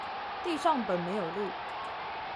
地上本沒有路